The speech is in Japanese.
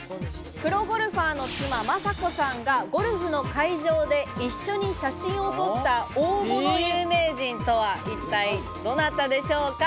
プロゴルファーの妻・雅子さんがゴルフの会場で一緒に写真を撮った大物有名人とは一体どなたでしょうか？